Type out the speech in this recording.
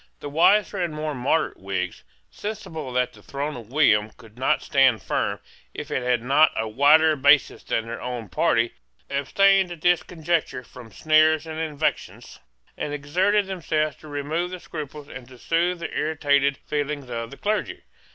The wiser and more moderate Whigs, sensible that the throne of William could not stand firm if it had not a wider basis than their own party, abstained at this conjuncture from sneers and invectives, and exerted themselves to remove the scruples and to soothe the irritated feelings of the clergy.